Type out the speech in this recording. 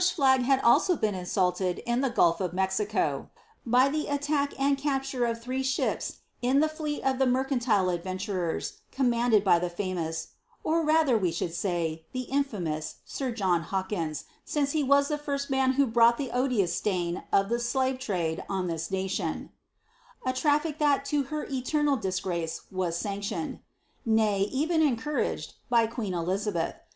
907 Tht Englidh ttng had also been insulted in the gulf of Mexico, by the ■tiarV and capture of three ships in the fleet of the mercantile aclven tarers, commanded by the famous — or, rather, we should say, the in baious sir John Hawkins, since he was the first man who brought the odious stain of the slave trade on this nation — a traffic that to her eternal di$ffFace was sanctioned — nay, even encouraged, by queen Elizabeth.